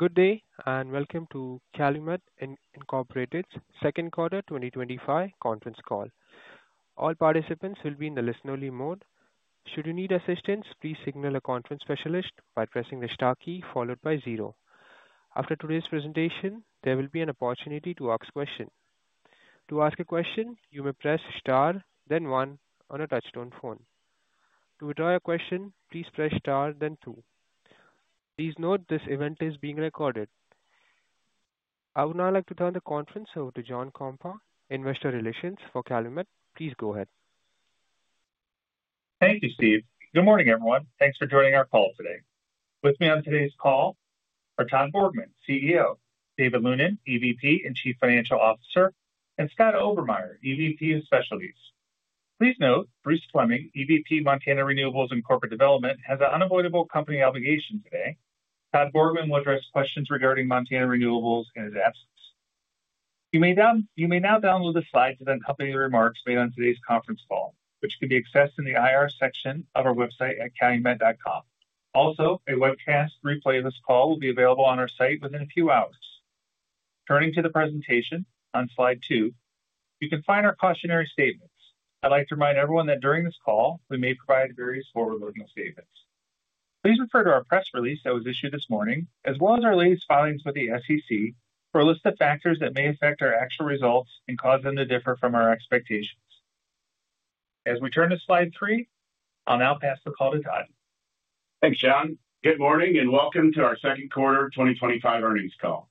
Good day and welcome to Calumet Incorporated's Second Quarter 2025 Conference Call. All participants will be in the listen-only mode. Should you need assistance, please signal a conference specialist by pressing the star key followed by zero. After today's presentation, there will be an opportunity to ask a question. To ask a question, you may press star, then one on a touch-tone phone. To withdraw a question, please press star, then two. Please note this event is being recorded. I would now like to turn the conference over to John Kompa, Investor Relations for Calumet. Please go ahead. Thank you, Steve. Good morning, everyone. Thanks for joining our call today. With me on today's call are Todd Borgmann, CEO, David Lunin, EVP and Chief Financial Officer, and Scott Obermeier, EVP of Specialties. Please note, Bruce Fleming, EVP of Montana Renewables and Corporate Development, has an unavoidable company obligation today. Todd Borgmann will address questions regarding Montana Renewables in his absence. You may now download the slides that accompany the remarks made on today's conference call, which can be accessed in the IR section of our website at calumet.com. Also, a webcast replay of this call will be available on our site within a few hours. Turning to the presentation, on slide two, you can find our cautionary statements. I'd like to remind everyone that during this call, we may provide various forward-looking statements. Please refer to our press release that was issued this morning, as well as our latest filings with the SEC for a list of factors that may affect our actual results and cause them to differ from our expectations. As we turn to slide three, I'll now pass the call to Todd. Thanks, John. Good morning and welcome to our Second Quarter 2025 Earnings Call.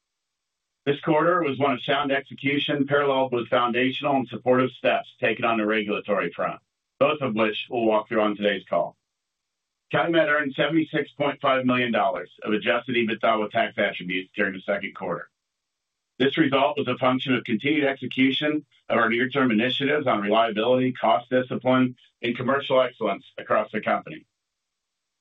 This quarter was one of sound execution, paralleled with foundational and supportive steps taken on the regulatory front, both of which we'll walk through on today's call. Calumet earned $76.5 million of adjusted EBITDA with tax attributes during the second quarter. This result was a function of continued execution of our near-term initiatives on reliability, cost discipline, and commercial excellence across the company.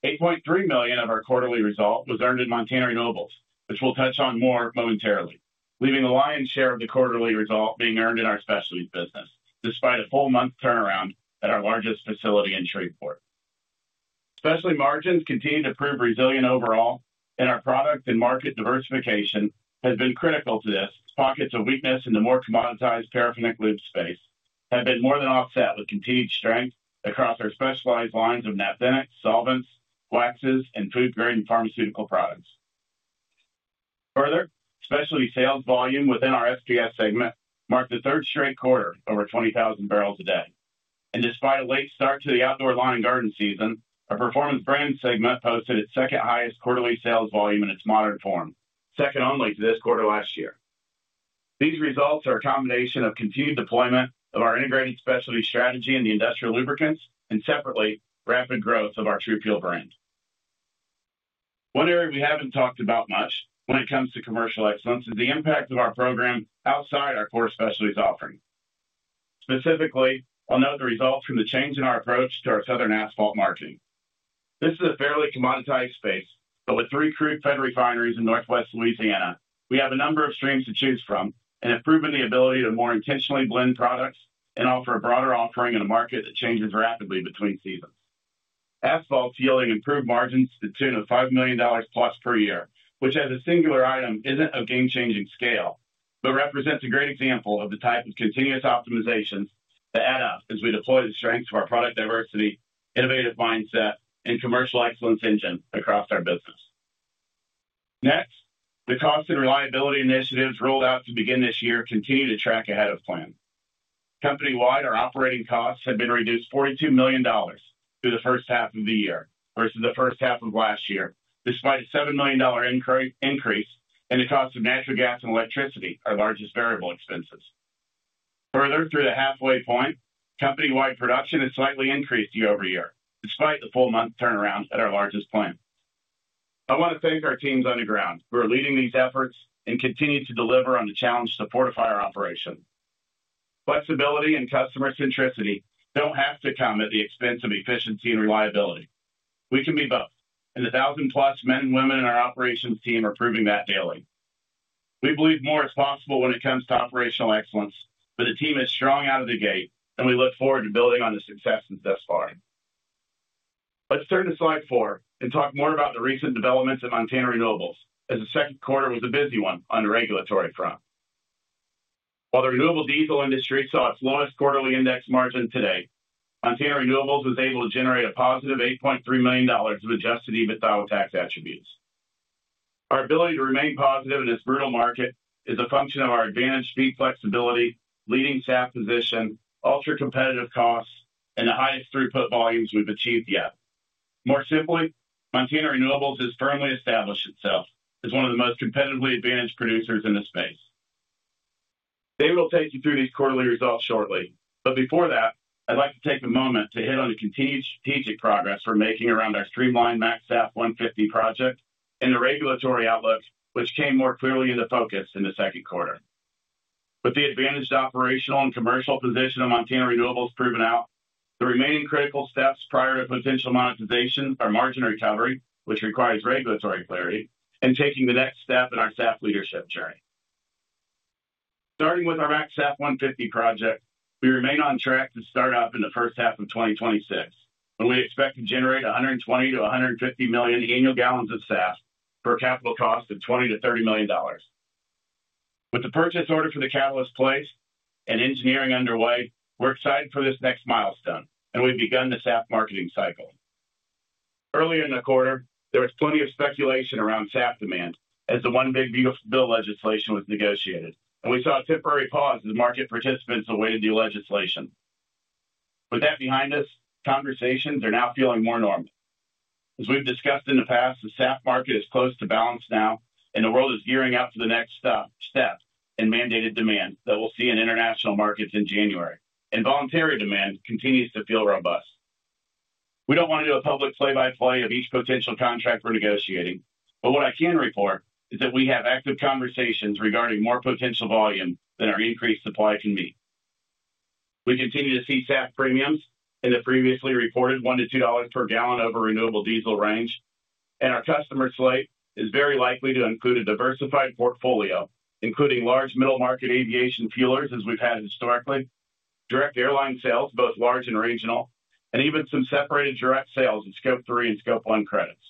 $8.3 million of our quarterly result was earned in Montana Renewables, which we'll touch on more momentarily, leaving the lion's share of the quarterly result being earned in our specialty business, despite a full month turnaround at our largest facility in Shreveport. Specialty margins continue to prove resilient overall, and our product and market diversification has been critical to this. Pockets of weakness in the more commoditized paraffinic lube space have been more than offset with continued strength across our specialized lines of naphthenics, solvents, waxes, and tooth-grinding pharmaceutical products. Further, specialty sales volume within our SPS segment marked the third straight quarter over 20,000 bbl a day. Despite a late start to the outdoor lawn and garden season, our performance brand segment posted its second highest quarterly sales volume in its modern form, second only to this quarter last year. These results are a combination of continued deployment of our integrated specialty strategy in the industrial lubricants and separately rapid growth of our True Fuel brand. One area we haven't talked about much when it comes to commercial excellence is the impact of our program outside our core specialties offering. Specifically, I'll note the results from the change in our approach to our southern asphalt marketing. This is a fairly commoditized space, but with three crude-fed refineries in Northwest Louisiana, we have a number of streams to choose from and have proven the ability to more intentionally blend products and offer a broader offering in a market that changes rapidly between seasons. Asphalt's yielding improved margins to the tune of $5 million plus per year, which as a singular item isn't of game-changing scale, but represents a great example of the type of continuous optimizations that add up as we deploy the strengths of our product diversity, innovative mindset, and commercial excellence engine across our business. Next, the cost and reliability initiatives rolled out to begin this year continue to track ahead of plan. Company-wide, our operating costs have been reduced $42 million through the first half of the year versus the first half of last year, despite a $7 million increase in the cost of natural gas and electricity, our largest variable expenses. Further, through the halfway point, company-wide production has slightly increased year-over-year despite the full month turnaround at our largest plant. I want to thank our teams on the ground who are leading these efforts and continue to deliver on the challenge to fortify our operation. Flexibility and customer centricity don't have to come at the expense of efficiency and reliability. We can be both, and 1,000+ men and women in our operations team are proving that daily. We believe more is possible when it comes to operational excellence, but the team is strong out of the gate, and we look forward to building on the successes thus far. Let's turn to slide four and talk more about the recent developments in Montana Renewables, as the second quarter was a busy one on the regulatory front. While the renewable diesel industry saw its lowest quarterly index margin to date, Montana Renewables was able to generate a positive $8.3 million of adjusted EBITDA with tax attributes. Our ability to remain positive in this brutal market is a function of our advantage, speed, flexibility, leading staff position, ultra-competitive costs, and the highest throughput volumes we've achieved yet. More simply, Montana Renewables has firmly established itself as one of the most competitively advantaged producers in the space. David will take you through these quarterly results shortly, but before that, I'd like to take a moment to hit on the continued strategic progress we're making around our streamlined MAXAP 150 project and the regulatory outlook, which came more clearly into focus in the second quarter. With the advantaged operational and commercial position of Montana Renewables proven out, the remaining critical steps prior to potential monetization are margin recovery, which requires regulatory clarity, and taking the next step in our staff leadership journey. Starting with our MAXAP 150 project, we remain on track to start up in the first half of 2026, and we expect to generate 120 million to 150 million annual gal of SAF for a capital cost of $20 million-$30 million. With the purchase order for the catalyst placed and engineering underway, we're excited for this next milestone, and we've begun the SAF marketing cycle. Earlier in the quarter, there was plenty of speculation around SAF demand as the One Big Beautiful Bill Act legislation was negotiated, and we saw a temporary pause as market participants awaited the legislation. With that behind us, conversations are now feeling more normal. As we've discussed in the past, the SAF market is close to balance now, and the world is gearing up for the next step in mandated demand that we'll see in international markets in January, and voluntary demand continues to feel robust. We don't want to do a public play-by-play of each potential contract we're negotiating, but what I can report is that we have active conversations regarding more potential volume than our increased supply can meet. We continue to see SAF premiums in the previously reported $1-$2 per gal over renewable diesel range, and our customer slate is very likely to include a diversified portfolio, including large middle-market aviation fuelers as we've had historically, direct airline sales both large and regional, and even some separated direct sales of Scope 3 and Scope 1 credits.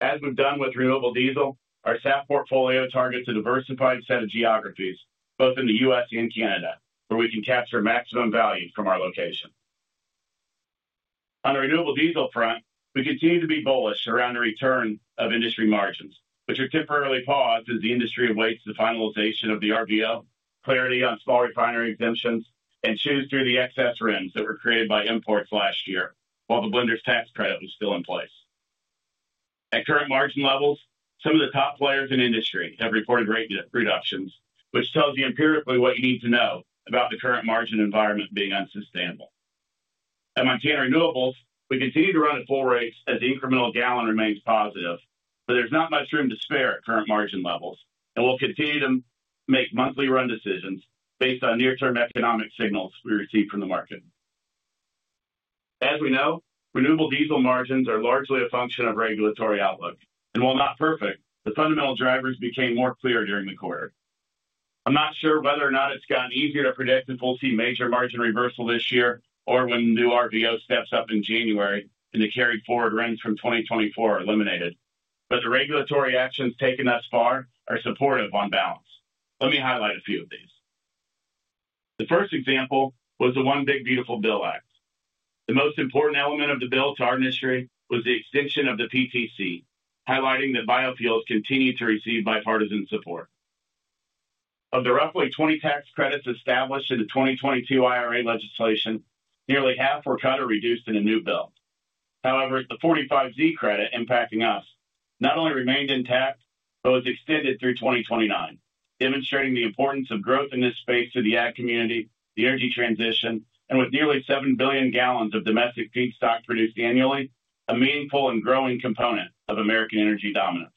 As we've done with renewable diesel, our SAF portfolio targets a diversified set of geographies, both in the U.S. and Canada, where we can capture maximum value from our location. On the renewable diesel front, we continue to be bullish around the return of industry margins, which are temporarily paused as the industry awaits the finalization of the RVO, clarity on small refinery exemptions, and shoes through the excess runs that were created by imports last year, while the blenders tax credit was still in place. At current margin levels, some of the top players in the industry have reported great reductions, which tells you empirically what you need to know about the current margin environment being unsustainable. At Montana Renewables, we continue to run at full rates as the incremental gallon remains positive, but there's not much room to spare at current margin levels, and we'll continue to make monthly run decisions based on near-term economic signals we receive from the market. As we know, renewable diesel margins are largely a function of regulatory outlook, and while not perfect, the fundamental drivers became more clear during the quarter. I'm not sure whether or not it's gotten easier to predict if we'll see major margin reversal this year or when the new RVO steps up in January and the carried forward runs from 2024 are eliminated, but the regulatory actions taken thus far are supportive on balance. Let me highlight a few of these. The first example was the One Big Beautiful Bill Act. The most important element of the bill to our industry was the extension of the PTC, highlighting that biofuels continue to receive bipartisan support. Of the roughly 20 tax credits established in the 2022 IRA legislation, nearly half were cut or reduced in a new bill. However, the 45Z credit impacting us not only remained intact, but was extended through 2029, demonstrating the importance of growth in this space to the ag community, the energy transition, and with nearly 7 billion gal of domestic feedstock produced annually, a meaningful and growing component of American energy dominance.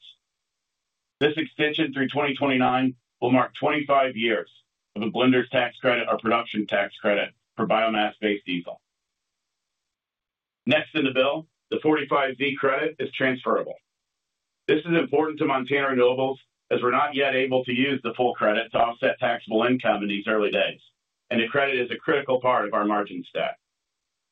This extension through 2029 will mark 25 years of the blenders tax credit or production tax credit for biomass-based diesel. Next in the bill, the 45Z credit is transferable. This is important to Montana Renewables as we're not yet able to use the full credit to offset taxable income in these early days, and the credit is a critical part of our margin stack.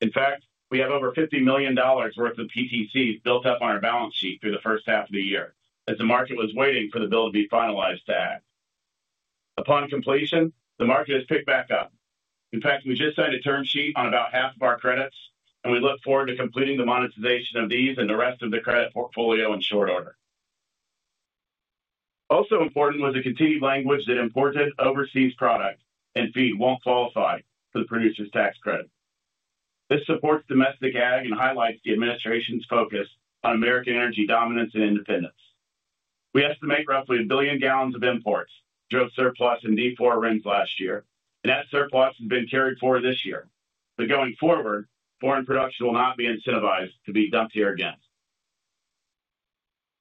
In fact, we have over $50 million worth of PTCs built up on our balance sheet through the first half of the year as the market was waiting for the bill to be finalized to add. Upon completion, the market has picked back up. In fact, we just signed a term sheet on about half of our credits, and we look forward to completing the monetization of these and the rest of the credit portfolio in short order. Also important was the continued language that imported overseas products and feed won't qualify for the producer's tax credit. This supports domestic ag and highlights the administration's focus on American energy dominance and independence. We estimate roughly 1 billion gal of imports drove surplus in D4 runs last year, and that surplus has been carried forward this year. Going forward, foreign production will not be incentivized to be dumped here again.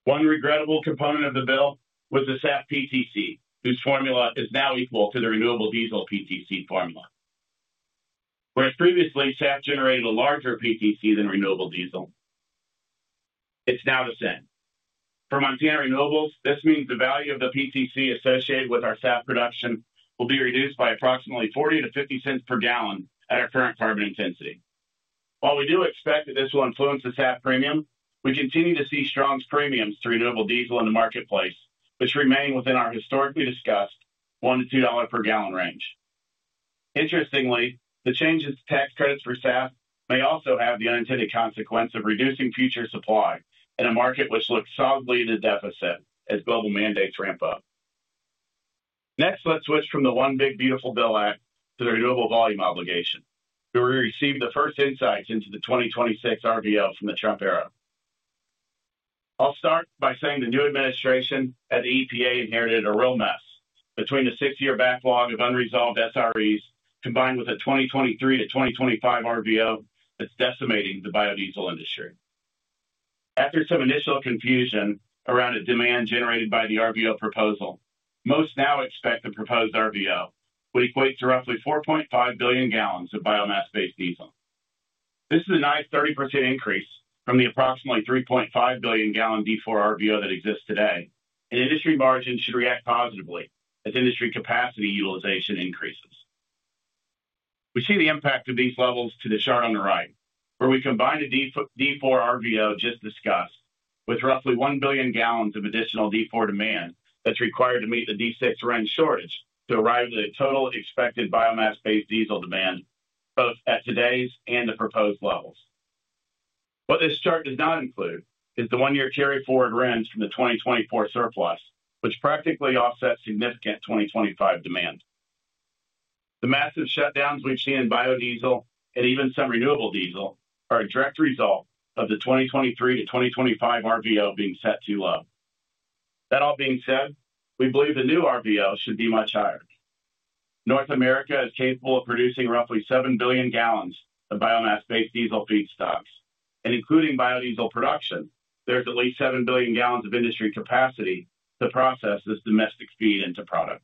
One regrettable component of the bill was the SAF PTC, whose formula is now equal to the renewable diesel PTC formula. Whereas previously, SAF generated a larger PTC than renewable diesel, it's now the same. For Montana Renewables, this means the value of the PTC associated with our SAF production will be reduced by approximately $0.40-$0.50 per gal at our current carbon intensity. While we do expect that this will influence the SAF premium, we continue to see strong premiums to renewable diesel in the marketplace, which remain within our historically discussed $1-$2 per gal range. Interestingly, the changes to tax credits for SAF may also have the unintended consequence of reducing future supply in a market which looks solidly into deficit as global mandates ramp up. Next, let's switch from the One Big Beautiful Bill Act to the renewable volume obligation, where we received the first insights into the 2026 RVO from the Trump era. I'll start by saying the new administration at the EPA inherited a real mess between the six-year backlog of unresolved SRVs combined with a 2023 to 2025 RVO that's decimating the biodiesel industry. After some initial confusion around a demand generated by the RVO proposal, most now expect the proposed RVO, which equates to roughly 4.5 billion gal of biomass-based diesel. This is a nice 30% increase from the approximately 3.5 billion gal D4 RVO that exists today, and industry margins should react positively as industry capacity utilization increases. We see the impact of these levels to the chart on the right, where we combined a D4 RVO just discussed with roughly 1 billion gal of additional D4 demand that's required to meet the D6 run shortage to arrive at a total expected biomass-based diesel demand, both at today's and the proposed levels. What this chart does not include is the one-year carry forward runs from the 2024 surplus, which practically offsets significant 2025 demand. The massive shutdowns we've seen in biodiesel and even some renewable diesel are a direct result of the 2023 to 2025 RVO being set too low. That all being said, we believe the new RVO should be much higher. North America is capable of producing roughly 7 billion gal of biomass-based diesel feedstocks, and including biodiesel production, there's at least 7 billion gal of industry capacity to process this domestic feed into product.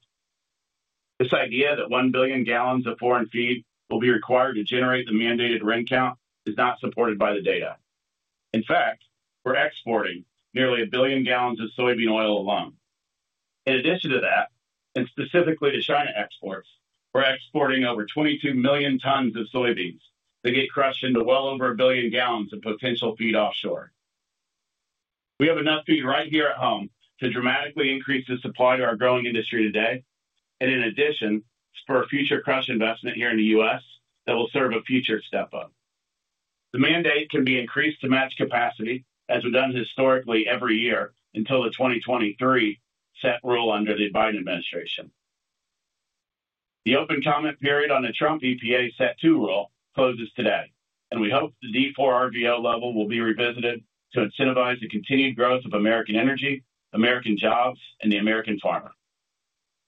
This idea that 1 billion gal of foreign feed will be required to generate the mandated run count is not supported by the data. In fact, we're exporting nearly 1 billion gal of soybean oil alone. In addition to that, and specifically to China exports, we're exporting over 22 million tons of soybeans that get crushed into well over 1 billion gal of potential feed offshore. We have enough feed right here at home to dramatically increase the supply to our growing industry today, and in addition, for a future crush investment here in the U.S. that will serve a future step up. The mandate can be increased to match capacity as we've done historically every year until the 2023 set rule under the Biden administration. The open comment period on the Trump EPA set too little closes today, and we hope the D4 RVO level will be revisited to incentivize the continued growth of American energy, American jobs, and the American farmer.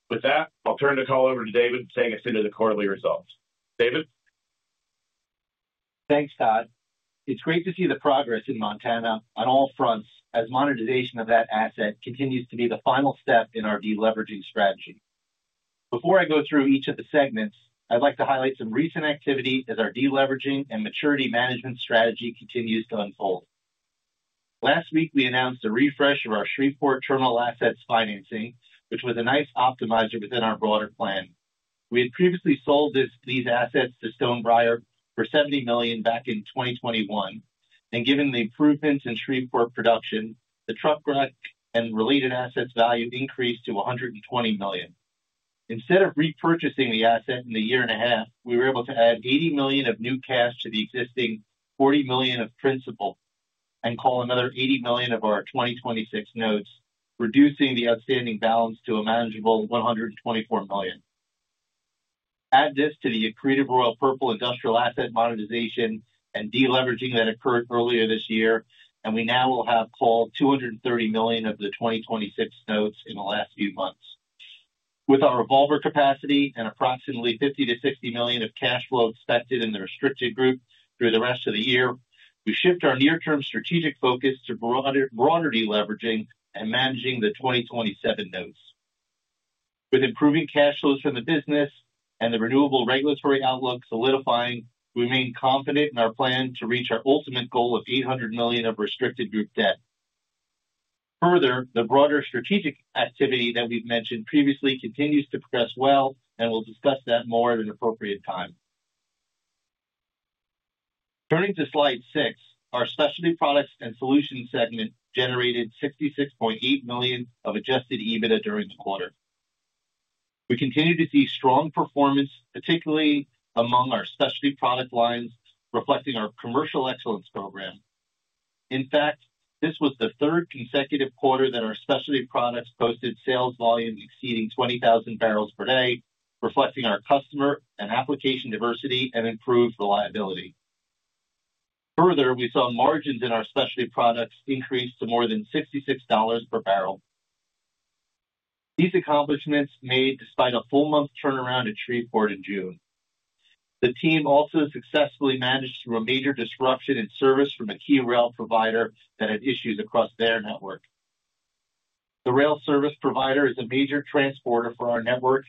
With that, I'll turn the call over to David saying a few of the quarterly results. David? Thanks, Todd. It's great to see the progress in Montana on all fronts as monetization of that asset continues to be the final step in our de-leveraging strategy. Before I go through each of the segments, I'd like to highlight some recent activity as our de-leveraging and maturity management strategy continues to unfold. Last week, we announced a refresh of our Shreveport terminal assets financing, which was a nice optimizer within our broader plan. We had previously sold these assets to Stonebriar for $70 million back in 2021, and given the improvements in Shreveport production, the Trump grant and related assets value increased to $120 million. Instead of repurchasing the asset in a year and a half, we were able to add $80 million of new cash to the existing $40 million of principal and call another $80 million of our 2026 notes, reducing the outstanding balance to a manageable $124 million. Add this to the accretive Royal Purple industrial asset monetization and de-leveraging that occurred earlier this year, and we now will have called $230 million of the 2026 notes in the last few months. With our revolver capacity and approximately $50 million-$60 million of cash flow expected in the restricted group through the rest of the year, we shift our near-term strategic focus to broader de-leveraging and managing the 2027 notes. With improving cash flows from the business and the renewable regulatory outlook solidifying, we remain confident in our plan to reach our ultimate goal of $800 million of restricted group debt. Further, the broader strategic activity that we've mentioned previously continues to progress well, and we'll discuss that more at an appropriate time. Turning to slide six, our specialty products and solutions segment generated $66.8 million of adjusted EBITDA during the quarter. We continue to see strong performance, particularly among our specialty product lines reflecting our commercial excellence program. In fact, this was the third consecutive quarter that our specialty products posted sales volume exceeding 20,000 bbl per day, reflecting our customer and application diversity and improved reliability. Further, we saw margins in our specialty products increase to more than $66 per bbl. These accomplishments made despite a full month turnaround at Shreveport in June. The team also successfully managed through a major disruption in service from a key rail provider that had issues across their network. The rail service provider is a major transporter for our network,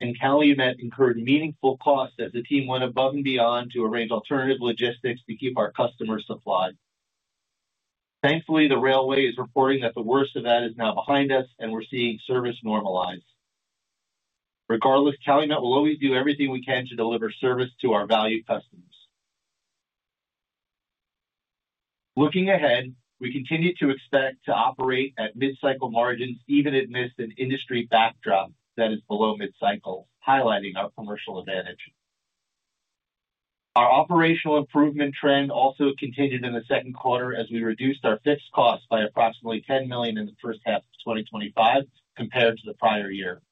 and Calumet incurred meaningful costs as the team went above and beyond to arrange alternative logistics to keep our customers supplied. Thankfully, the railway is reporting that the worst of that is now behind us, and we're seeing service normalized. Regardless, Calumet will always do everything we can to deliver service to our valued customers. Looking ahead, we continue to expect to operate at mid-cycle margins even amidst an industry backdrop that is below mid-cycle, highlighting our commercial advantage. Our operational improvement trend also continued in the second quarter as we reduced our fixed costs by approximately $10 million in the first half of 2025 compared to the prior year.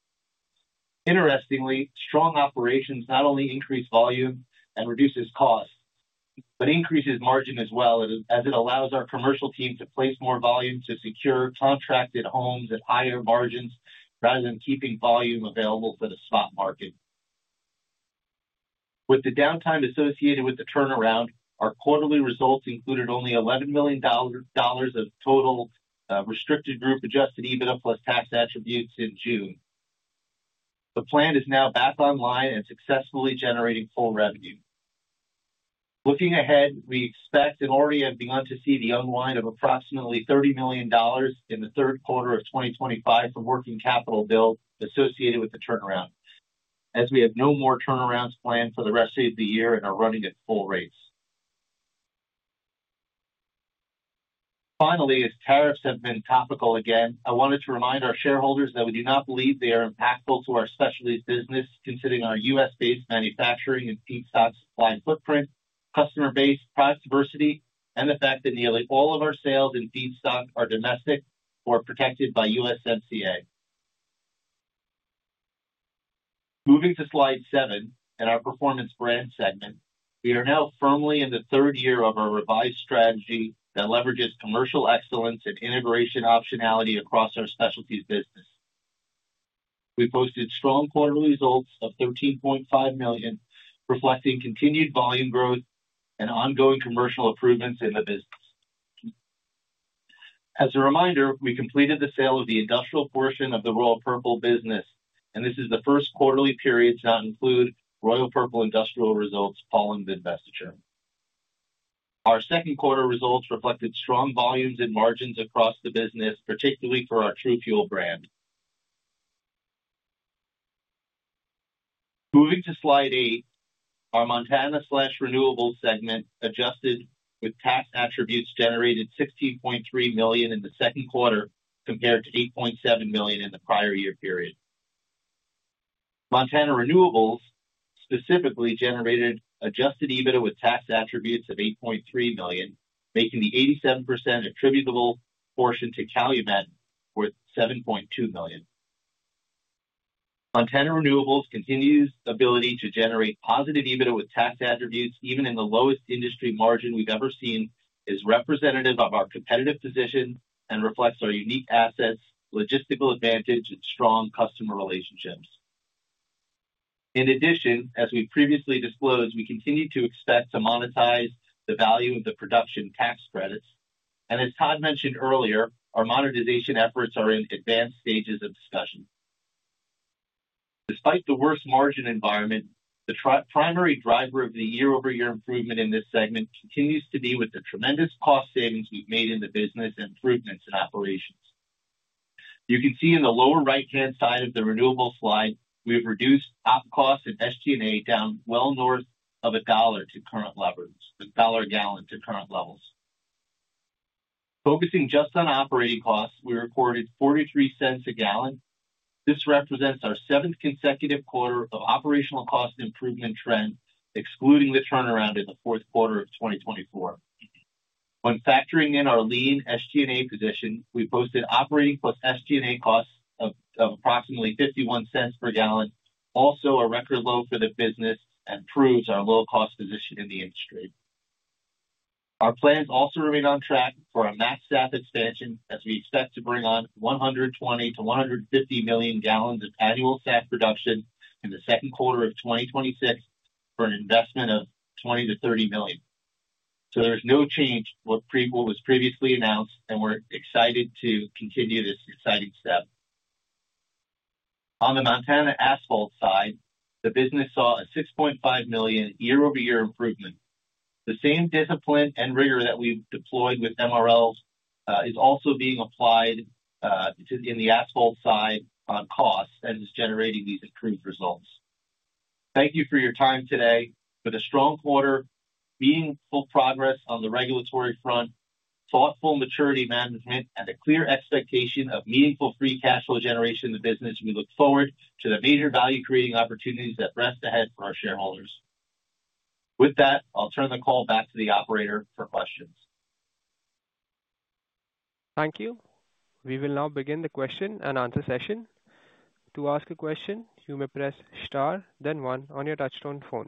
Interestingly, strong operations not only increase volume and reduce costs, but increase margin as well, as it allows our commercial team to place more volume to secure contracted homes at higher margins rather than keeping volume available for the spot market. With the downtime associated with the turnaround, our quarterly results included only $11 million of total restricted group adjusted EBITDA plus tax attributes in June. The plant is now back online and successfully generating full revenue. Looking ahead, we expect and already have begun to see the unwind of approximately $30 million in the third quarter of 2025 for working capital bill associated with the turnaround, as we have no more turnarounds planned for the rest of the year and are running at full rates. Finally, as tariffs have been topical again, I wanted to remind our shareholders that we do not believe they are impactful to our specialty business, considering our US-based manufacturing and feedstock supply footprint, customer base, product diversity, and the fact that nearly all of our sales in feedstock are domestic or protected by USMCA. Moving to slide seven and our performance brand segment, we are now firmly in the third year of our revised strategy that leverages commercial excellence and integration optionality across our specialty business. We posted strong quarterly results of $13.5 million, reflecting continued volume growth and ongoing commercial improvements in the business. As a reminder, we completed the sale of the industrial portion of the Royal Purple business, and this is the first quarterly period to not include Royal Purple industrial results following the divestiture. Our second quarter results reflected strong volumes and margins across the business, particularly for our True Fuel brand. Moving to slide eight, our Montana/Renewables segment adjusted with tax attributes generated $16.3 million in the second quarter compared to $8.7 million in the prior year period. Montana Renewables specifically generated adjusted EBITDA with tax attributes of $8.3 million, making the 87% attributable portion to Calumet worth $7.2 million. Montana Renewables continues the ability to generate positive EBITDA with tax attributes even in the lowest industry margin we've ever seen, which is representative of our competitive position and reflects our unique assets, logistical advantage, and strong customer relationships. In addition, as we previously disclosed, we continue to expect to monetize the value of the production tax credits, and as Todd mentioned earlier, our monetization efforts are in advanced stages of discussion. Despite the worst margin environment, the primary driver of the year-over-year improvement in this segment continues to be the tremendous cost savings we've made in the business and improvements in operations. You can see in the lower right-hand side of the renewables slide, we've reduced top costs in SG&A down well north of $1 a gal to current levels. Focusing just on operating costs, we reported $0.43 a gal. This represents our seventh consecutive quarter of operational cost improvement trend, excluding the turnaround in the fourth quarter of 2024. When factoring in our lean SG&A position, we posted operating plus SG&A costs of approximately $0.51 per gal, also a record low for the business and proves our low-cost position in the industry. Our plans also remain on track for a MAXAP expansion as we expect to bring on 120 million to 150 million gal of annual SAF production in the second quarter of 2026 for an investment of $20 million-$30 million. There is no change to what was previously announced, and we're excited to continue this exciting step. On the Montana asphalt side, the business saw a $6.5 million year-over-year improvement. The same discipline and rigor that we've deployed with MRLs is also being applied in the asphalt side on costs and is generating these improved results. Thank you for your time today. With a strong quarter, meaningful progress on the regulatory front, thoughtful maturity management, and a clear expectation of meaningful free cash flow generation in the business, we look forward to the major value-creating opportunities that rest ahead for our shareholders. With that, I'll turn the call back to the operator for questions. Thank you. We will now begin the question and answer session. To ask a question, you may press star, then one on your touch-tone phone.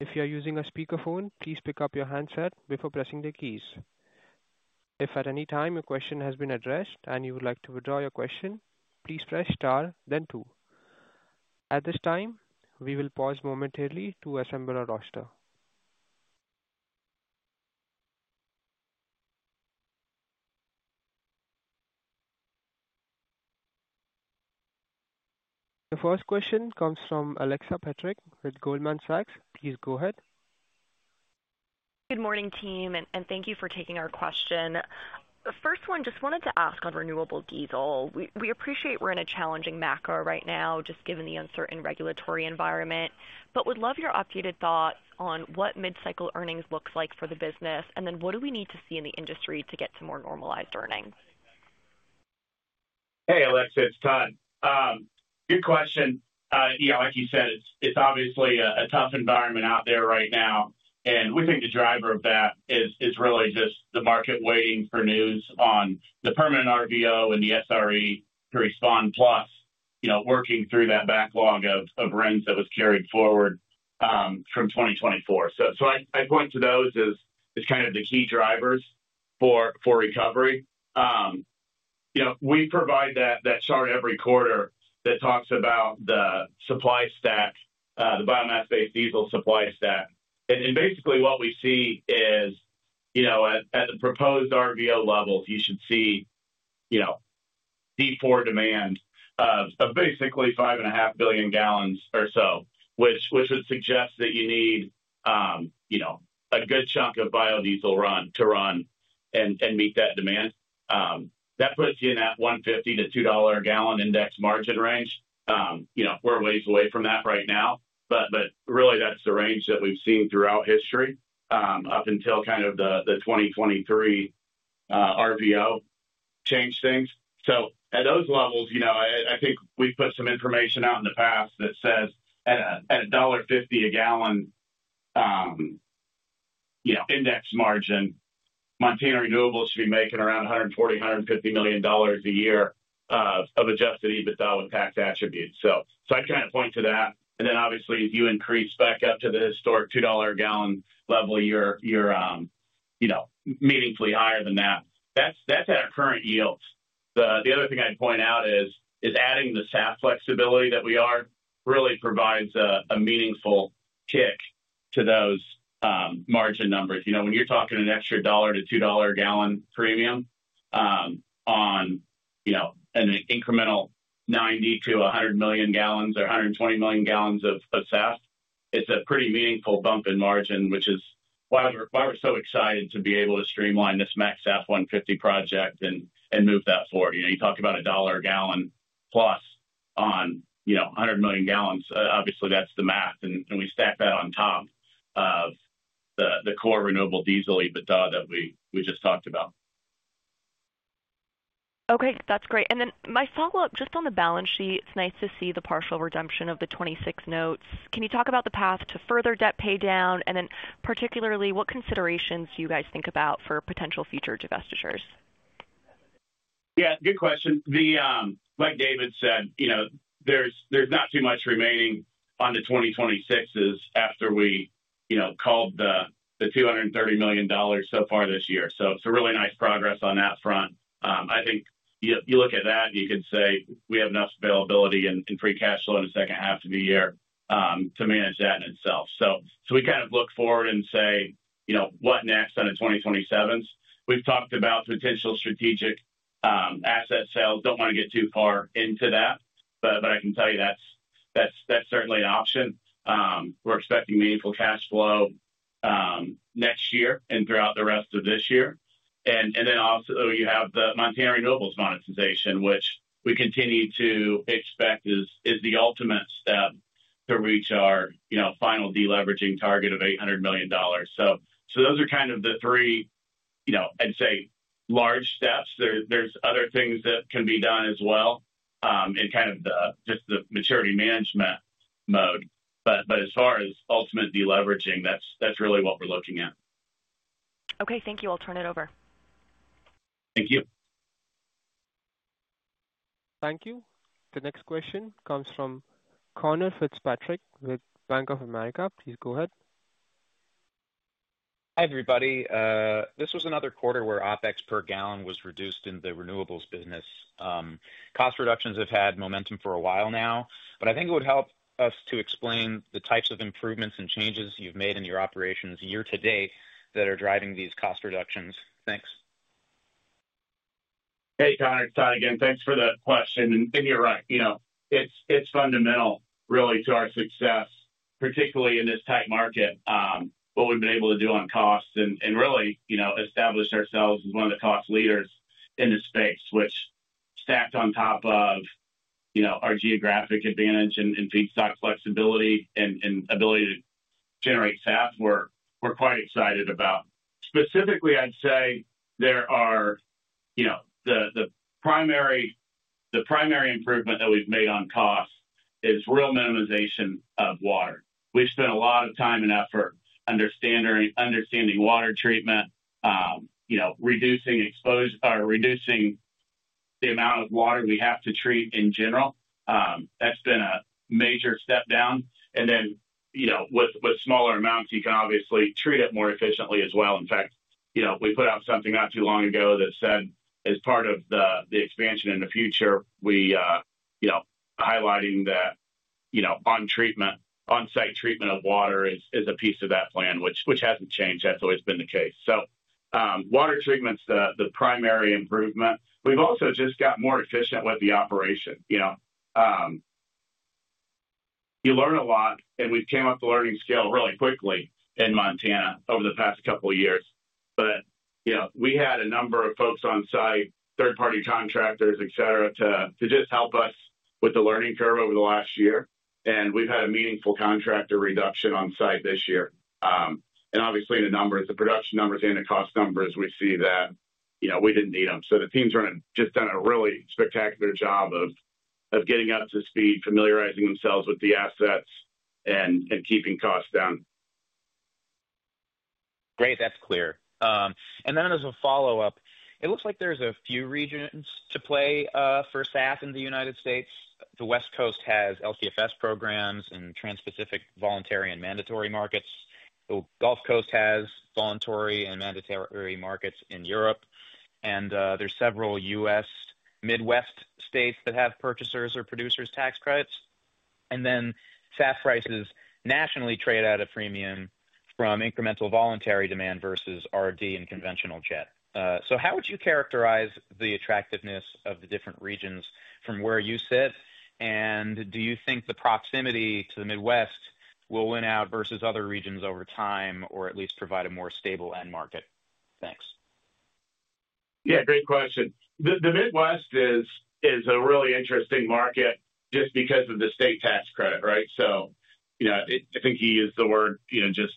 If you are using a speakerphone, please pick up your handset before pressing the keys. If at any time a question has been addressed and you would like to withdraw your question, please press star, then two. At this time, we will pause momentarily to assemble our roster. The first question comes from Alexa Petrick with Goldman Sachs. Please go ahead. Good morning, team, and thank you for taking our question. The first one, I just wanted to ask on renewable diesel. We appreciate we're in a challenging macro right now, just given the uncertain regulatory environment, but would love your updated thoughts on what mid-cycle earnings look like for the business, and then what do we need to see in the industry to get to more normalized earnings? Hey, Alexa, it's Todd. Good question. You know, like you said, it's obviously a tough environment out there right now, and we think the driver of that is really just the market waiting for news on the permanent RVO and the SRE to respond, plus working through that backlog of runs that was carried forward from 2024. I'd point to those as kind of the key drivers for recovery. We provide that chart every quarter that talks about the supply stack, the biomass-based diesel supply stack, and basically what we see is, at the proposed RVO levels, you should see D4 demand of basically 5.5 billion gal or so, which would suggest that you need a good chunk of biodiesel run to run and meet that demand. That puts you in that $1.5-$2 a gal index margin range. We're a ways away from that right now, but really that's the range that we've seen throughout history up until the 2023 RVO changed things. At those levels, I think we've put some information out in the past that says at $1.50 a gal index margin, Montana Renewables should be making around $140 million-$150 million a year of adjusted EBITDA with tax attributes. I'd kind of point to that, and obviously as you increase back up to the historic $2 a gal level, you're meaningfully higher than that. That's at our current yield. The other thing I'd point out is adding the SAF flexibility that we are really provides a meaningful kick to those margin numbers. When you're talking an extra $1-$2 a gal premium on an incremental 90 million to 100 million gal or 120 million gal of SAF, it's a pretty meaningful bump in margin, which is why we're so excited to be able to streamline this MAXAP 150 project and move that forward. You talk about $1 gal plus on 100 million gal, obviously that's the math, and we stack that on top of the core renewable diesel EBITDA that we just talked about. Okay, that's great. My follow-up just on the balance sheet, it's nice to see the partial redemption of the 2026 notes. Can you talk about the path to further debt pay down, and particularly what considerations do you guys think about for potential future divestitures? Yeah, good question. Like David said, there's not too much remaining on the 2026s after we called the $230 million so far this year. It's a really nice progress on that front. I think you look at that and you can say we have enough availability in free cash flow in the second half of the year to manage that in itself. We kind of look forward and say, you know, what next on the 2027s? We've talked about potential strategic asset sales. Don't want to get too far into that, but I can tell you that's certainly an option. We're expecting meaningful cash flow next year and throughout the rest of this year. You also have the Montana Renewables monetization, which we continue to expect is the ultimate step to reach our final de-leveraging target of $800 million. Those are kind of the three large steps. There are other things that can be done as well in kind of just the maturity management mode. As far as ultimate de-leveraging, that's really what we're looking at. Okay, thank you. I'll turn it over. Thank you. Thank you. The next question comes from Conor Fitzpatrick with Bank of America. Please go ahead. Hi, everybody. This was another quarter where OpEx per gallon was reduced in the renewables business. Cost reductions have had momentum for a while now, but I think it would help us to explain the types of improvements and changes you've made in your operations year to date that are driving these cost reductions. Thanks. Hey, Conor, it's Todd again. Thanks for the question. You're right. It's fundamental really to our success, particularly in this tight market, what we've been able to do on costs and really establish ourselves as one of the cost leaders in the space, which stacked on top of our geographic advantage and feedstock flexibility and ability to generate SAF, we're quite excited about. Specifically, I'd say the primary improvement that we've made on cost is real minimization of water. We've spent a lot of time and effort understanding water treatment, reducing the amount of water we have to treat in general. That's been a major step down. With smaller amounts, you can obviously treat it more efficiently as well. In fact, we put out something not too long ago that said as part of the expansion in the future, highlighting that on-site treatment of water is a piece of that plan, which hasn't changed. That's always been the case. Water treatment's the primary improvement. We've also just got more efficient with the operation. You learn a lot, and we've come up with a learning skill really quickly in Montana over the past couple of years. We had a number of folks on site, third-party contractors, et cetera, to just help us with the learning curve over the last year. We've had a meaningful contractor reduction on site this year. Obviously, the numbers, the production numbers and the cost numbers, we see that we didn't need them. The team's just done a really spectacular job of getting up to speed, familiarizing themselves with the assets, and keeping costs down. Great, that's clear. As a follow-up, it looks like there's a few regions to play for SAF in the United States. The West Coast has LTFS programs in Trans-Pacific voluntary and mandatory markets. The Gulf Coast has voluntary and mandatory markets in Europe. There's several U.S. Midwest states that have purchasers or producers tax credits. SAF prices nationally trade at a premium from incremental voluntary demand versus R&D and conventional jet. How would you characterize the attractiveness of the different regions from where you sit? Do you think the proximity to the Midwest will win out versus other regions over time, or at least provide a more stable end market? Thanks? Yeah, great question. The Midwest is a really interesting market just because of the state tax credit, right? I think you used the word, you know, just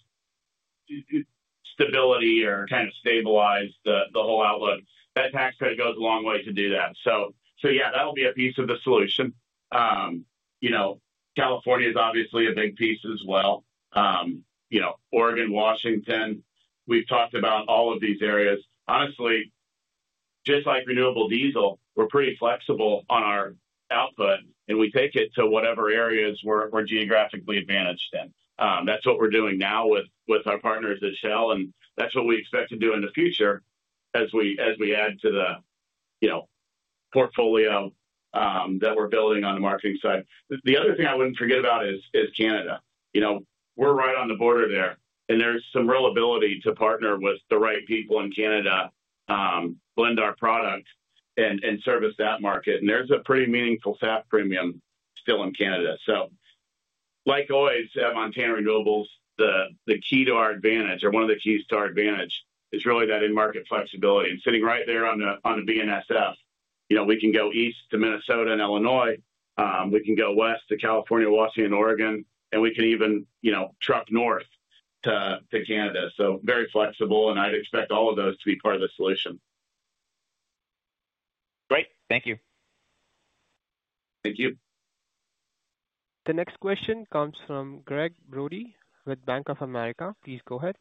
stability or kind of stabilize the whole outlook. That tax credit goes a long way to do that. That'll be a piece of the solution. California is obviously a big piece as well. Oregon, Washington, we've talked about all of these areas. Honestly, just like renewable diesel, we're pretty flexible on our output, and we take it to whatever areas we're geographically advantaged in. That's what we're doing now with our partners at Shell, and that's what we expect to do in the future as we add to the portfolio that we're building on the marketing side. The other thing I wouldn't forget about is Canada. We're right on the border there, and there's some real ability to partner with the right people in Canada, blend our product, and service that market. There's a pretty meaningful SAF premium still in Canada. Like always, at Montana Renewables, the key to our advantage, or one of the keys to our advantage, is really that in-market flexibility. Sitting right there on the BNSF, we can go east to Minnesota and Illinois. We can go west to California, Washington, Oregon, and we can even truck north to Canada. Very flexible, and I'd expect all of those to be part of the solution. Great, thank you. Thank you. The next question comes from Gregg Brody with Bank of America. Please go ahead.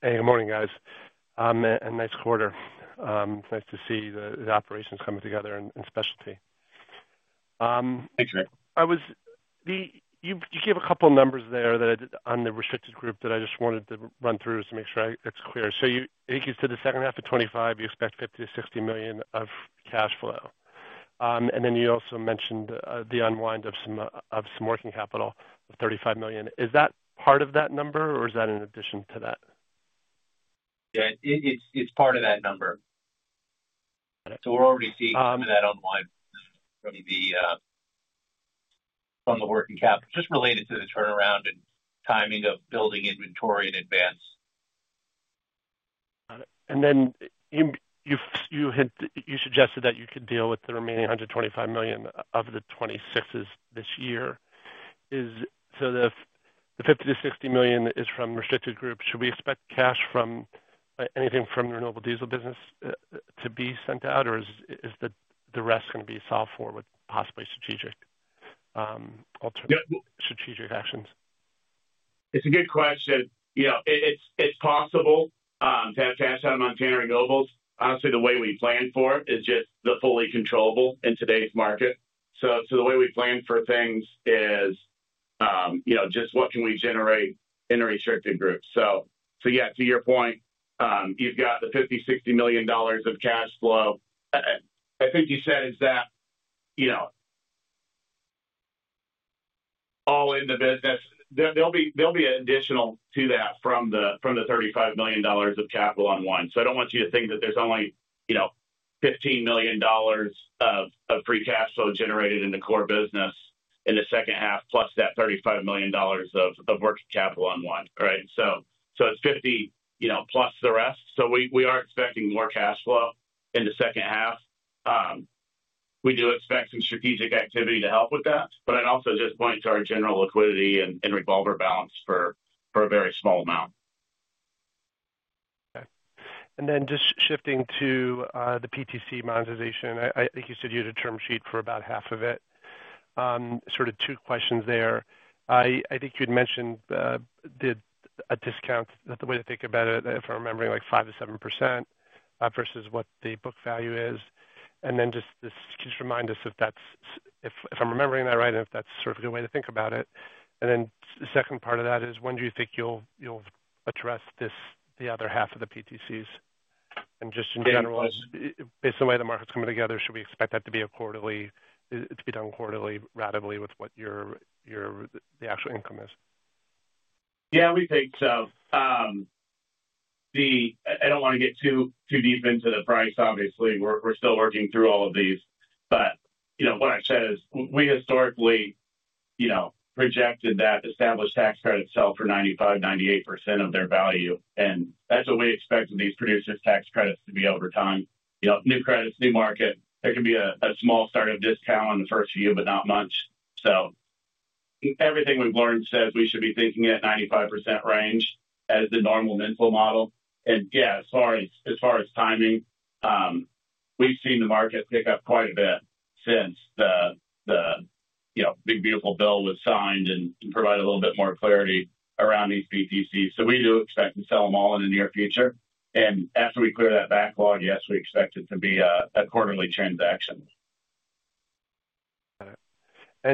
Hey, good morning, guys. Nice quarter. It's nice to see the operations coming together in specialty. Thanks, Greg. You gave a couple of numbers there on the restricted group that I just wanted to run through to make sure it's clear. I think you said the second half of 2025, you expect $50 million-$60 million of cash flow. You also mentioned the unwind of some working capital of $35 million. Is that part of that number, or is that in addition to that? Yeah, it's part of that number. We're already seeing some of that unwind from the working capital, just related to the turnaround and timing of building inventory in advance. You suggested that you could deal with the remaining $125 million of the 2026s this year. The $50 million-$60 million is from restricted groups. Should we expect cash from anything from the renewable diesel business to be sent out, or is the rest going to be solved for with possibly strategic actions? It's a good question. You know, it's possible to have cash out of Montana Renewables. Honestly, the way we plan for it is just the fully controllable in today's market. The way we plan for things is, you know, just what can we generate in a restricted group? Yeah, to your point, you've got the $50 million-$60 million of cash flow. I think you said is that, you know, all in the business, there'll be an additional to that from the $35 million of capital unwind. I don't want you to think that there's only, you know, $15 million of free cash flow generated in the core business in the second half, plus that $35 million of working capital unwind. It's $50 million, you know, plus the rest. We aren't expecting more cash flow in the second half. We do expect some strategic activity to help with that, but I'd also just point to our general liquidity and revolver balance for a very small amount. Okay. Then just shifting to the PTC monetization, I think you said you had a term sheet for about half of it. Sort of two questions there. I think you had mentioned a discount, the way to think about it, if I'm remembering, like 5%-7% versus what the book value is. Can you just remind us if that's, if I'm remembering that right and if that's sort of a good way to think about it? The second part of that is when do you think you'll address the other half of the PTCs? In general, based on the way the market's coming together, should we expect that to be done quarterly rapidly with what your actual income is? Yeah, we think so. I don't want to get too deep into the price, obviously. We're still working through all of these. What I said is we historically rejected that established tax credit itself for 95%, 98% of their value. That's what we expect with these producers tax credits to be over time. New credits, new market, there can be a small startup discount on the first few, but not much. Everything we've learned says we should be thinking in that 95% range. That is the normal mental model. As far as timing, we've seen the market pick up quite a bit since the Big Beautiful Bill was signed and provided a little bit more clarity around these PTCs. We do expect to sell them all in the near future. After we clear that backlog, yes, we expect it to be a quarterly transaction. Got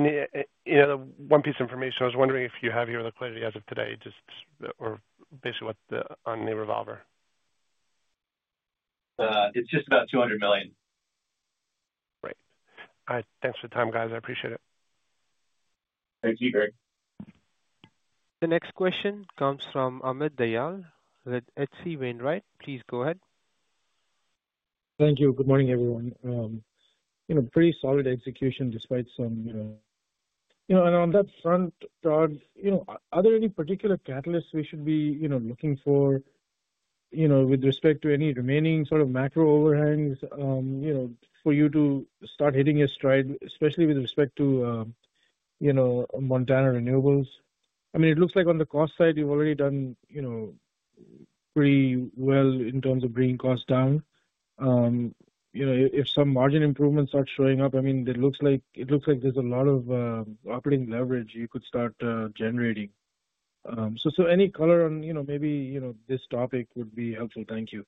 it. The one piece of information I was wondering if you have is your liquidity as of today, just or basically what's on the revolver? It's just about $200 million. Great. All right. Thanks for the time, guys. I appreciate it. Thank you, Gregg. The next question comes from Amit Dayal with H.C. Wainwright. Please go ahead. Thank you. Good morning, everyone. Pretty solid execution despite some challenges, and on that front, Todd, are there any particular catalysts we should be looking for with respect to any remaining sort of macro overhangs for you to start hitting a stride, especially with respect to Montana Renewables? It looks like on the cost side, you've already done pretty well in terms of bringing costs down. If some margin improvements start showing up, it looks like there's a lot of operating leverage you could start generating. Any color on this topic would be helpful. Thank you.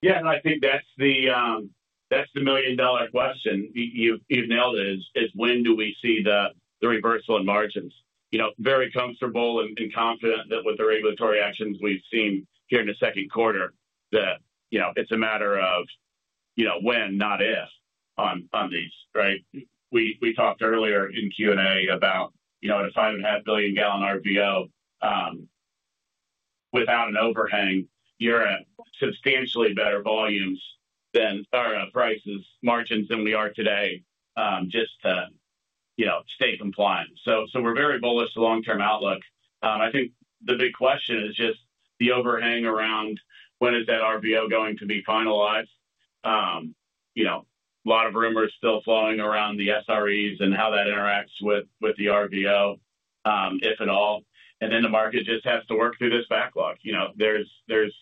Yeah, I think that's the million-dollar question. You've nailed it, is when do we see the reversal in margins? I'm very comfortable and confident that with the regulatory actions we've seen here in the second quarter, it's a matter of when, not if, on these, right? We talked earlier in Q&A about, at a 5.5 billion gal RVO, without an overhang, you're at substantially better volumes and prices margins than we are today, just to stay compliant. We're very bullish on the long-term outlook. I think the big question is just the overhang around when is that RVO going to be finalized? There are a lot of rumors still flowing around the SREs and how that interacts with the RVO, if at all. The market just has to work through this backlog. There's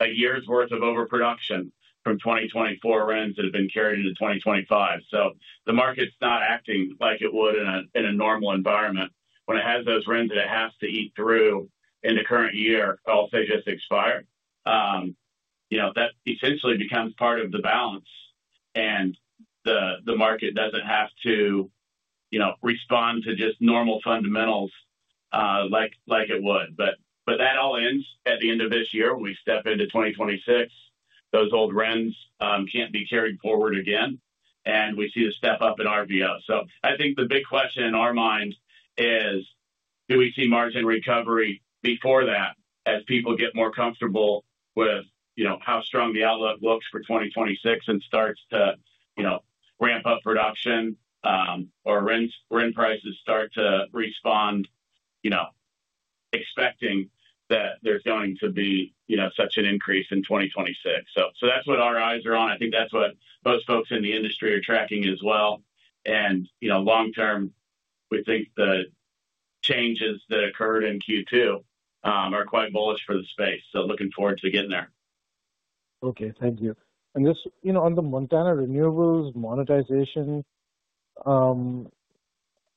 a year's worth of overproduction from 2024 runs that have been carried into 2025. The market's not acting like it would in a normal environment. When it has those runs that it has to eat through in the current year, if they just expire, that essentially becomes part of the balance. The market doesn't have to respond to just normal fundamentals like it would. That all ends at the end of this year when we step into 2026. Those old runs can't be carried forward again, and we see the step up in RVO. I think the big question in our mind is, do we see margin recovery before that as people get more comfortable with how strong the outlook looks for 2026 and start to ramp up production or when prices start to respond, expecting that there's going to be such an increase in 2026. That's what our eyes are on. I think that's what most folks in the industry are tracking as well. Long term, we think the changes that occurred in Q2 are quite bullish for the space. Looking forward to getting there. Thank you. On the Montana Renewables monetization,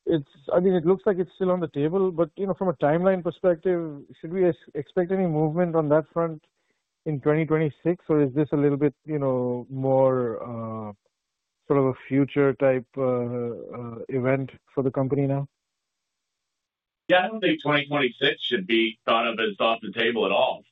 it looks like it's still on the table. From a timeline perspective, should we expect any movement on that front in 2026, or is this a little bit more sort of a future-type event for the company now? Yeah, I don't think 2026 should be thought of as off the table at all.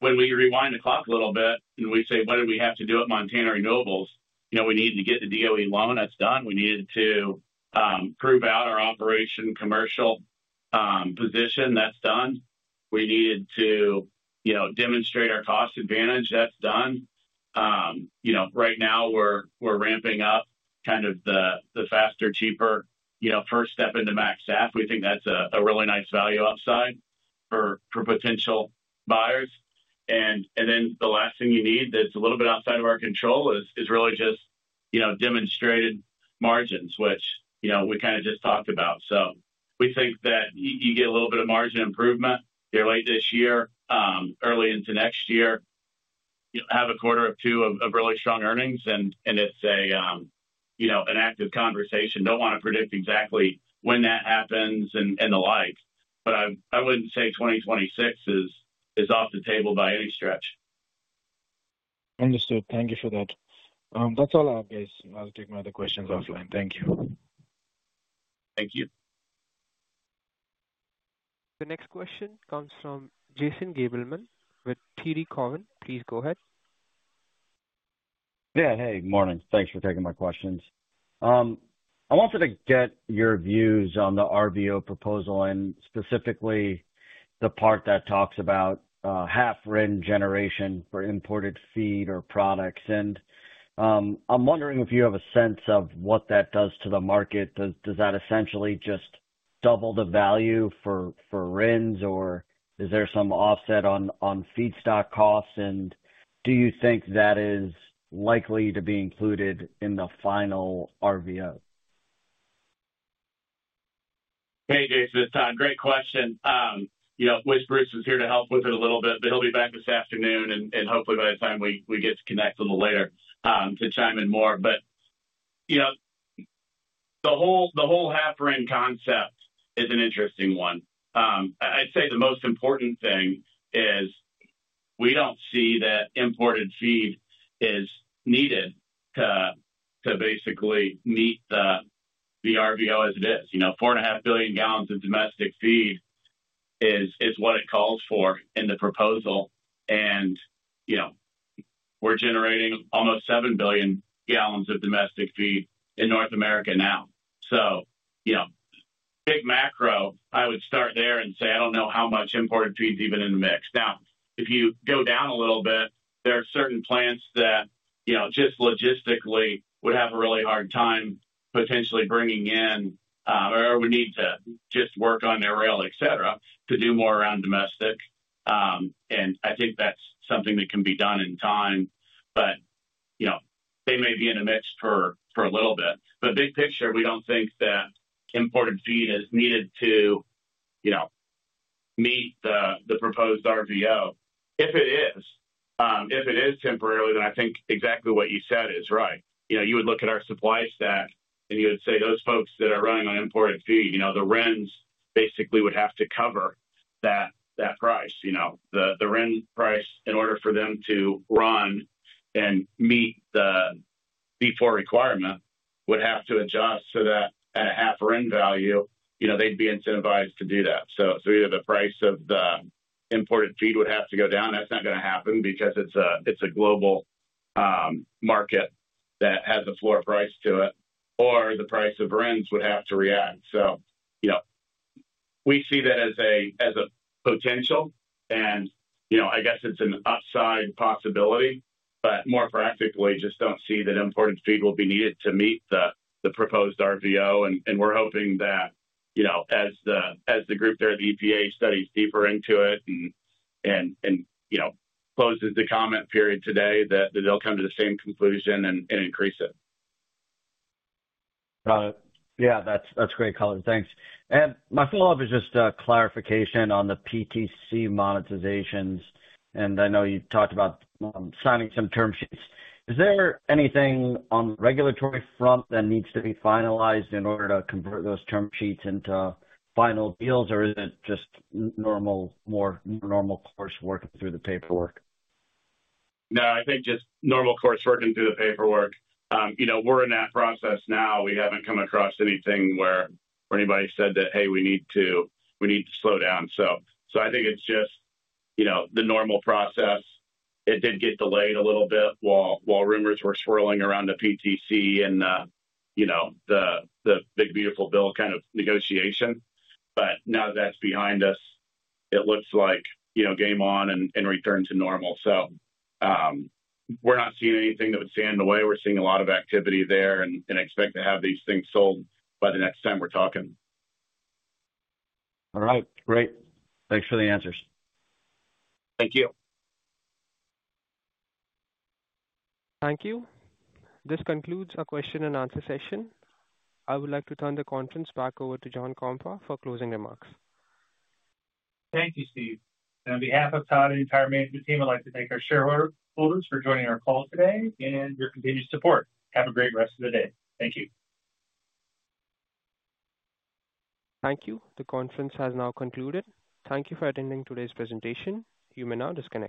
When we rewind the clock a little bit and we say, what did we have to do at Montana Renewables? We needed to get the DOE loan. That's done. We needed to prove out our operation commercial position. That's done. We needed to demonstrate our cost advantage. That's done. Right now we're ramping up kind of the faster, cheaper, first step into MAXAP. We think that's a really nice value upside for potential buyers. The last thing you need that's a little bit outside of our control is really just demonstrated margins, which we kind of just talked about. We think that you get a little bit of margin improvement. You're late this year, early into next year, you have a quarter or two of really strong earnings, and it's an active conversation. I don't want to predict exactly when that happens and the like, but I wouldn't say 2026 is off the table by any stretch. Understood. Thank you for that. That's all, I guess. I'll take my other questions offline. Thank you. Thank you. The next question comes from Jason Gabelman with TD Cowen. Please go ahead. Yeah, hey, good morning. Thanks for taking my questions. I wanted to get your views on the RVO proposal, specifically the part that talks about half RIN generation for imported feed or products. I'm wondering if you have a sense of what that does to the market. Does that essentially just double the value for RINs, or is there some offset on feedstock costs, and do you think that is likely to be included in the final RVO? Hey, Jason, it's Todd. Great question. I wish Bruce was here to help with it a little bit, but he'll be back this afternoon, and hopefully by the time we get to connect a little later to chime in more. The whole half RIN concept is an interesting one. I'd say the most important thing is we don't see that imported feed is needed to basically meet the RVO as it is. 4.5 billion gal of domestic feed is what it calls for in the proposal, and we're generating almost 7 billion gal of domestic feed in North America now. Big macro, I would start there and say I don't know how much imported feed's even in the mix. If you go down a little bit, there are certain plants that just logistically would have a really hard time potentially bringing in, or would need to just work on their rail, etc., to do more around domestic. I think that's something that can be done in time, but they may be in the mix for a little bit. Big picture, we don't think that imported feed is needed to meet the proposed RVO. If it is, if it is temporarily, then I think exactly what you said is right. You would look at our supply stack and you would say those folks that are running on imported feed, the RINs basically would have to cover that price. The RIN price, in order for them to run and meet the D4 requirement, would have to adjust so that at a half RIN value, they'd be incentivized to do that. Either the price of the imported feed would have to go down. That's not going to happen because it's a global market that has a floor price to it, or the price of RINs would have to react. We see that as a potential, and I guess it's an upside possibility, but more practically, just don't see that imported feed will be needed to meet the proposed RVO. We're hoping that as the group there, the EPA studies deeper into it and closes the comment period today, that it'll come to the same conclusion and increase it. Got it. Yeah, that's great, Todd. Thanks. My follow-up is just a clarification on the PTC monetizations. I know you talked about signing some term sheets. Is there anything on the regulatory front that needs to be finalized in order to convert those term sheets into final deals, or is it just more normal course working through the paperwork? No, I think just normal course working through the paperwork. We're in that process now. We haven't come across anything where anybody said that, hey, we need to slow down. I think it's just the normal process. It did get delayed a little bit while rumors were swirling around the PTC and the Big Beautiful Bill kind of negotiation. Now that that's behind us, it looks like, you know, game on and return to normal. We're not seeing anything that would stand in the way. We're seeing a lot of activity there and expect to have these things sold by the next time we're talking. All right, great. Thanks for the answers. Thank you. Thank you. This concludes our question and answer session. I would like to turn the conference back over to John Kompa for closing remarks. Thank you, Steve. On behalf of Todd and the entire management team, I'd like to thank our shareholders for joining our call today and your continued support. Have a great rest of the day. Thank you. Thank you. The conference has now concluded. Thank you for attending today's presentation. You may now disconnect.